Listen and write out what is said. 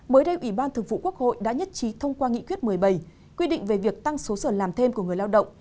mới đây ủy ban thường vụ quốc hội đã nhất trí thông qua nghị quyết một mươi bảy quy định về việc tăng số giờ làm thêm của người lao động